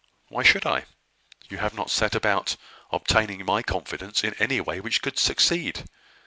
"Why should I? You have not set about obtaining my confidence in any way which could succeed.